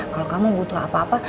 kalau kamu butuh apa apa